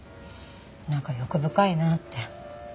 なんか欲深いなって。